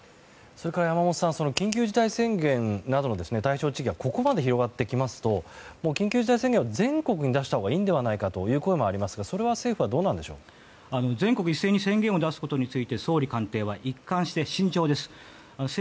山本さん緊急事態宣言などの対象地域がここまで広がってきますと緊急事態宣言を全国に出したほうがいいのではないかという声もありますが宣言を一括して出すことに総理官邸は一貫して慎重です。